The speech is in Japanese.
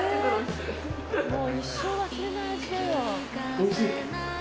おいしい？